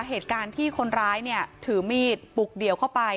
เหตุการณ์ที่คนร้ายเนี่ยถือมีดปลุกเดี่ยวเข้าไป